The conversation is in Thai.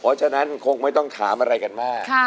เพราะฉะนั้นคงไม่ต้องถามอะไรกันมาก